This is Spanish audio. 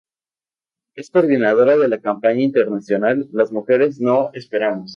Es Coordinadora de la Campaña Internacional 'Las Mujeres No Esperamos.